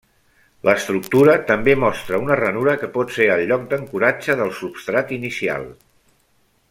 L'estructura també mostra una ranura que pot ser el lloc d'ancoratge del substrat inicial.